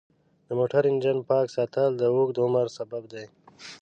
د موټر انجن پاک ساتل د اوږده عمر سبب دی.